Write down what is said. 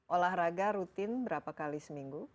olahraga rutin berapa kali seminggu